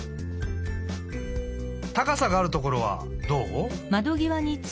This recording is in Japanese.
たかさがあるところはどう？